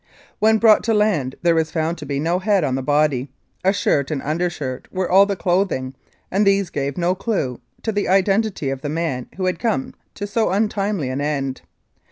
When brought to land there was found to be no head on the body ; a shirt and undershirt were all the clothing, and these gave no clue to the identity of the man who had come to so untimely an end.